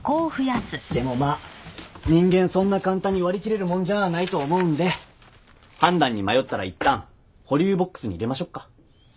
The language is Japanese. でもまあ人間そんな簡単に割り切れるもんじゃあないと思うんで判断に迷ったらいったん保留ボックスに入れましょっか。